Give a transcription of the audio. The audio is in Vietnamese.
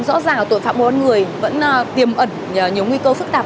rõ ràng là tội phạm mua bán người vẫn tiềm ẩn nhiều nguy cơ phức tạp